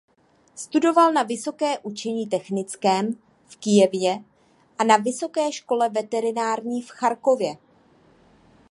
Studoval na Vysokém učení technickém v Kyjevě a na Vysoké škole veterinární v Charkově.